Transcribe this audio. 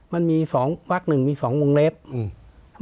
มันมีสองวักหนึ่งมีสองวงเล็บอืม